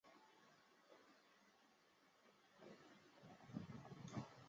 警察极力自制